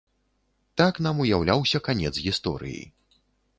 Так нам уяўляўся канец гісторыі.